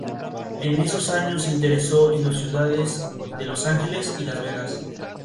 En esos años se interesó en las ciudades de Los Ángeles y Las Vegas.